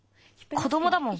「子どもだもん。